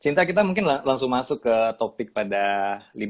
cinta kita mungkin langsung masuk ke topik pada lima belas menit kemudian ya